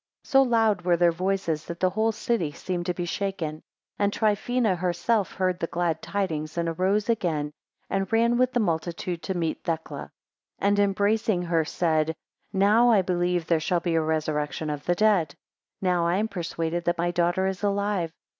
23 So loud were their voices, that the whole city seemed to be shaken; and Trifina herself heard the glad tidings, and arose again, and ran with the multitude to meet Thecla; and embracing her, said: Now I believe there shall be a resurrection of the dead; now I am persuaded that my daughter is alive.